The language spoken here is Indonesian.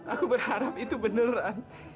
aku berharap itu beneran